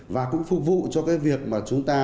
và cũng phục vụ cho cái việc mà chúng ta